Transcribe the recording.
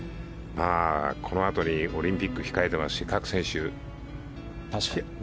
このあとに、オリンピックが控えていますし、各選手ね。